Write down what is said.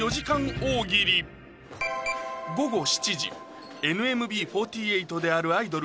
大喜利「ＮＭＢ４８」であるアイドル